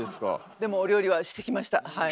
でもお料理はしてきましたはい。